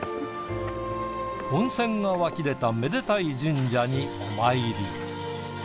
温泉が湧き出ためでたい神社にお参り。